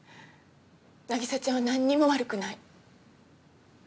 凪沙ちゃんはなんにも悪くない。